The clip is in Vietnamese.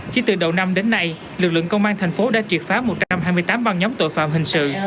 chỉ từ đầu năm đến nay lực lượng công an thành phố đã triệt phá một trăm hai mươi tám băng nhóm tội phạm hình sự